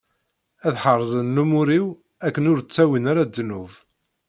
Ad ḥerzen lumuṛ-iw, akken ur ttawin ara ddnub.